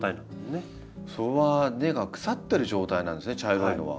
それは根が腐ってる状態なんですね茶色いのは。